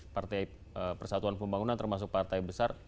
partai persatuan pembangunan termasuk partai besar